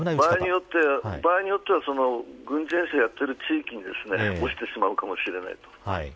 場合によっては軍事演習をやっている地域に落ちてしまうかもしれない。